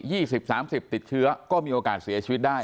๒๐๓๐ปีติดเชื้อก็มีโอกาสเสียชีวิตได้